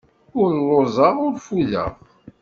Ur lluẓeɣ, ur ffudeɣ.